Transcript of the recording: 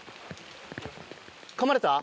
かまれた？